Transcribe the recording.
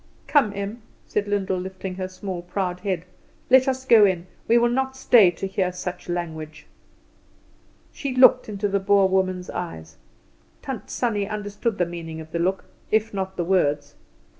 "Come, Em," said Lyndall, lifting her small proud head, "let us go in. We will not stay to hear such language." She looked into the Boer woman's eyes. Tant Sannie understood the meaning of the look if not the words.